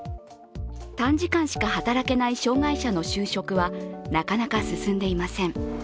短時間しか働けない障害者の就職はなかなか進んでいません。